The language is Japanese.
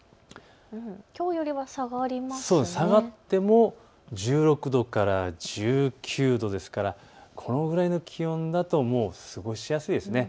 きょうより下がっても１６度から１９度ですから、このぐらいの気温だと過ごしやすいですね。